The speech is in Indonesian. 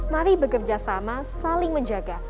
mari bekerja sama saling menjaga